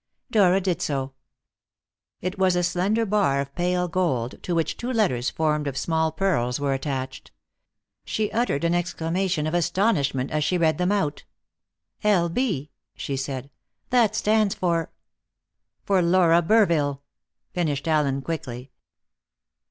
Dora did so. It was a slender bar of pale gold, to which two letters formed of small pearls were attached. She uttered an exclamation of astonishment as she read them out. "L.B.," she said; "that stands for " "For Laura Burville," finished Allen quickly.